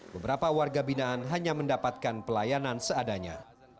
beberapa warga binaan hanya mendapatkan pelayanan seadanya